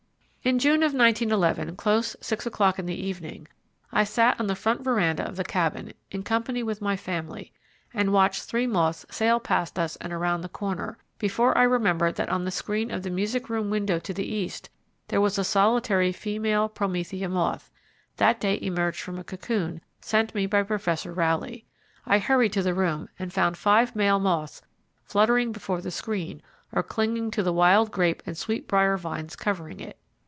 In June of 1911, close six o'clock in the evening, I sat on the front veranda of the Cabin, in company with my family, and watched three moths sail past us and around the corner, before I remembered that on the screen of the music room window to the east there was a solitary female Promethea moth, that day emerged from a cocoon sent me by Professor Rowley. I hurried to the room and found five male moths fluttering before the screen or clinging to the wild grape and sweet brier vines covering it.